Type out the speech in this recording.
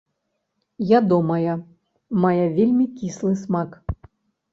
Ядомая, мае вельмі кіслы смак.